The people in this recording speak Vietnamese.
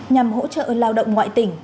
nhằm hỗ trợ lao động ngoại tỉnh